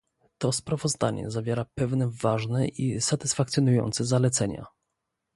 To sprawozdanie zawiera pewne ważne i satysfakcjonujące zalecenia